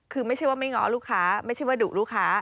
คือไม่ใช่ว่าไม่ง้อลูกค้าไม่ใช่ว่าดุลูกค้า